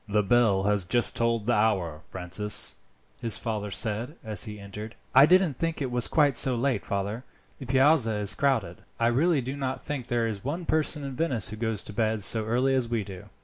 "The bell has just tolled the hour, Francis," his father said as he entered. "I didn't think it was quite so late, father; the Piazza is crowded. I really do not think there is one person in Venice who goes to bed so early as we do.